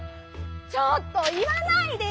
ちょっといわないでよ！